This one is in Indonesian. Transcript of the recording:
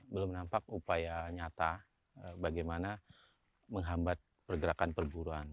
belum nampak upaya nyata bagaimana menghambat pergerakan perburuan